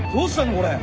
これ。